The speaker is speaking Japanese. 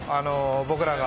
僕らが。